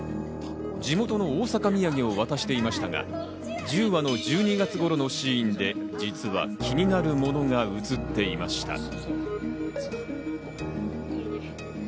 地元の大阪土産を渡していましたが、１０話の１２月頃のシーンで、実は気になるものが映っていました。